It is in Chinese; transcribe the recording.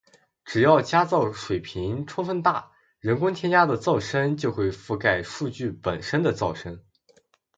只要加噪水平充分大，人工添加的噪声就会覆盖数据本身的噪声